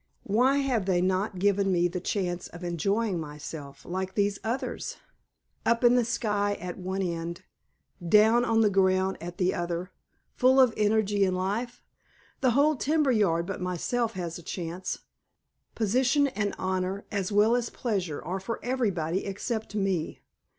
Why have they not given me the chance of enjoying myself like these others up in the sky at one end, down on the ground at the other, full of energy and life? The whole timber yard, but myself, has a chance. Position and honour, as well as pleasure, are for everybody except me.